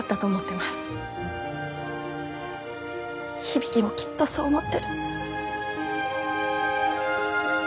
響もきっとそう思ってる。